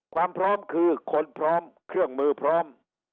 ความพร้อมคือคนพร้อมเครื่องมือพร้อม